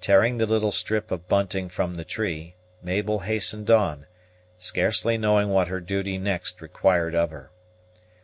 Tearing the little strip of bunting from the tree, Mabel hastened on, scarcely knowing what her duty next required of her.